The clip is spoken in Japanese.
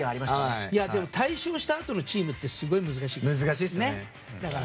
でも、大勝したあとのチームってすごい難しいから。